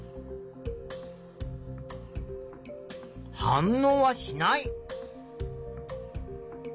反応はしない。